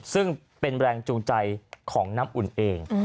ซึ่งเป็นแรงจูงใจของน้ำอุ่นเอง